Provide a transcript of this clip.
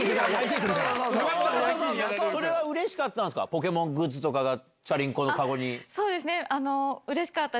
ポケモングッズとかがチャリンコのカゴに。